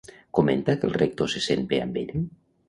Comenta que el Rector se sent bé amb ell?